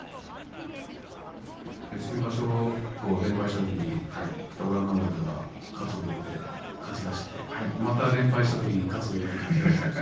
先場所、連敗した時に二子山親方が喝を入れて勝ちだしてまた連敗した時に喝を入れて。